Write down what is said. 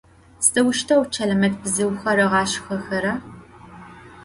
Sıdeuşteu Çelemet bzıuxer ığaşşxexera?